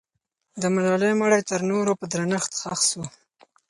د ملالۍ مړی تر نورو په درنښت ښخ سو.